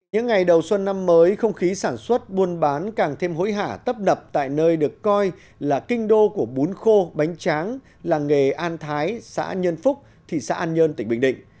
những ngày đầu xuân năm mới không khí sản xuất buôn bán càng thêm hối hả tấp nập tại nơi được coi là kinh đô của bún khô bánh tráng làng nghề an thái xã nhân phúc thị xã an nhơn tỉnh bình định